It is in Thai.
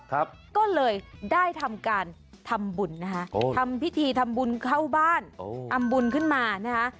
ก็เลยได้ทำการทำบุญนะคะโอ้ทำพิธีทำบุญเข้าบ้านทำบุญขึ้นมานะคะ